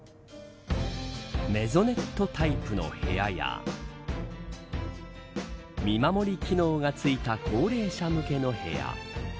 メゾネットタイプの部屋や見守り機能がついた高齢者向けの部屋。